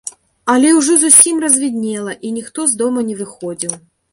Але ўжо зусім развіднела, і ніхто з дома не выходзіў.